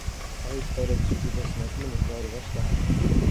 თავის ცხოვრების უდიდესი ნაწილი მოგზაურობაში გაატარა.